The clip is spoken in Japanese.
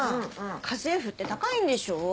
家政婦って高いんでしょ？